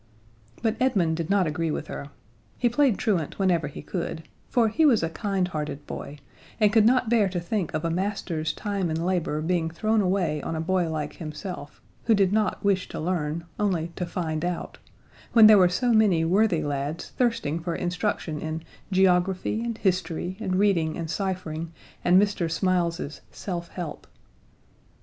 But Edmund did not agree with her. He played truant whenever he could, for he was a kindhearted boy, and could not bear to think of a master's time and labor being thrown away on a boy like himself who did not wish to learn, only to find out when there were so many worthy lads thirsting for instruction in geography and history and reading and ciphering, and Mr. Smiles's "Self Help."